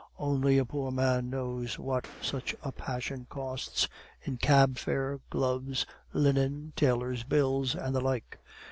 Only a poor man knows what such a passion costs in cab hire, gloves, linen, tailor's bills, and the like.